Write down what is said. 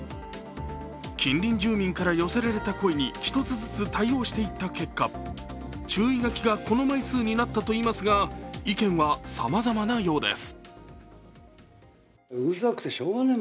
近隣住民から寄せられた声に１つずつ対応していった結果、注意書きがこの枚数になったといいますが意見はさまざまなようです。